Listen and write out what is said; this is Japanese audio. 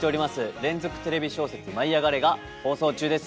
連続テレビ小説「舞いあがれ！」が放送中です。